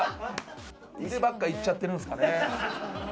腕ばっかいっちゃってるんすかね。